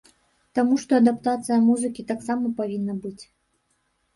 Таму што адаптацыя музыкі таксама павінна быць.